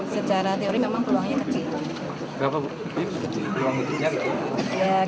secara teori memang peluangnya kecil